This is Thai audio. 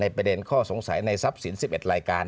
ในประเด็นข้อสงสัยในทรัพย์สินสิบเอ็ดรายการนั้น